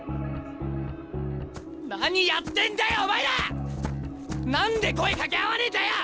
何やってんだよお前ら！何で声かけ合わねえんだよ！